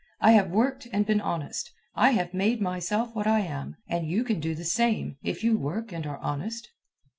I have worked and been honest. I have made myself what I am. And you can do the same, if you work and are honest."